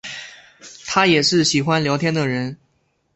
她也是喜欢聊天的人